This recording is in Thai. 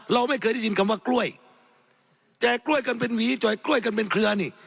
เราไม่เคยได้ยินคำว่ากล้วยแจกกล้วยกันเป็นหวีจ่อยกล้วยกันเป็นเครือนี่